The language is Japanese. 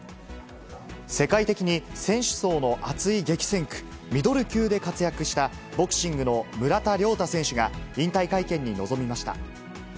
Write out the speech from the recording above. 世界的に選手層の厚い激戦区、ミドル級で活躍したボクシングの村田諒太選手が、引退会見に臨みました。